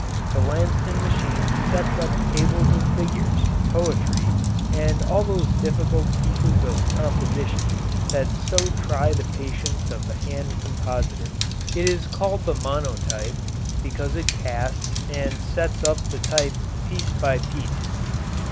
The Lanston machine sets up tables of figures, poetry, and all those difficult pieces of composition that so try the patience of the hand compositor. It is called the monotype because it casts and sets up the type piece by piece.